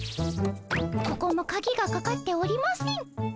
ここもカギがかかっておりません。